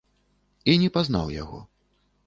І не пазнаў яго.